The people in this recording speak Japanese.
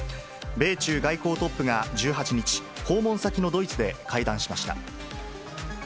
米中外交トップが１８日、訪問先のドイツで会談しました。